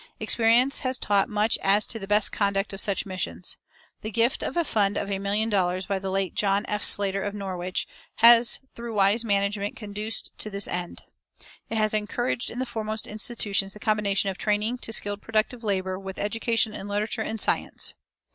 Experience has taught much as to the best conduct of such missions. The gift of a fund of a million dollars by the late John F. Slater, of Norwich, has through wise management conduced to this end. It has encouraged in the foremost institutions the combination of training to skilled productive labor with education in literature and science.